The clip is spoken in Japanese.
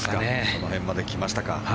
その辺まで来ましたか。